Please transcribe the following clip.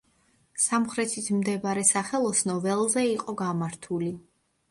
სამხრეთით მდებარე სახელოსნო ველზე იყო გამართული.